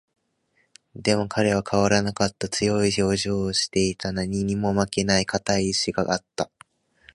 でも、彼は変わらなかった。強い表情をしていた。何にも負けない固い意志があった。